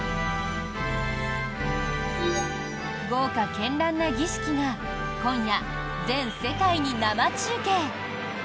豪華絢爛な儀式が今夜、全世界に生中継。